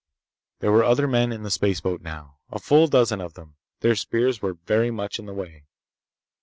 There were other men in the spaceboat now. A full dozen of them. Their spears were very much in the way.